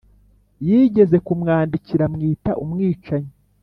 yigeze kumwandikira amwita umwicanyi.